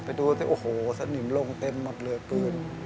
ไปดูซิโอ้โหสนิมลงเต็มหมดเรือปืด